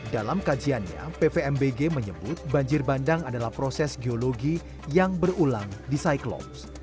dalam kajiannya pvmbg menyebut banjir bandang adalah proses geologi yang berulang di cyclops